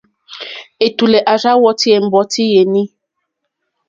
Ɛ̀tùlɛ̀ à rzá wɔ́tì ɛ̀mbɔ́tí yèní.